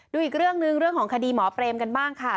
ดูอีกเรื่องหนึ่งเรื่องของคดีหมอเปรมกันบ้างค่ะ